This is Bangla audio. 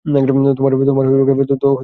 তোমার রোগ হয়েছে, তো এবার বুঝেছ না?